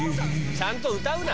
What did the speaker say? ちゃんと歌うな。